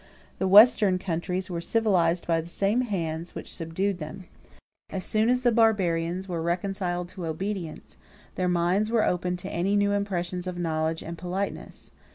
The western countries were civilized by the same hands which subdued them. As soon as the barbarians were reconciled to obedience, their minds were open to any new impressions of knowledge and politeness.